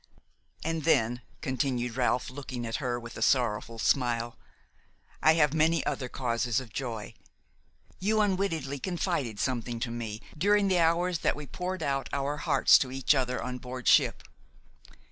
"And then," continued Ralph, looking at her with a sorrowful smile, "I have many other causes of joy. You unwittingly confided something to me during the hours that we poured out our hearts to each other on board ship.